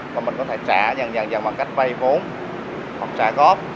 và mình có thể trả nhằn nhằn nhằn bằng cách vay vốn hoặc trả góp